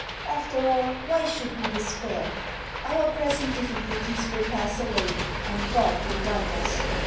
After all, why should we despair? Our present difficulties will pass away, and God will right us.